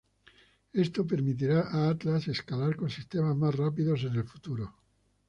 Esto permitirá a Atlas escalar con sistemas más rápidos en el futuro.